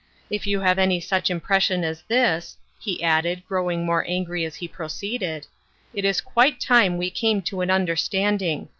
If you have any such impression as this," he added, growing more angry as he proceeded, " it is quite time we came to an understanding.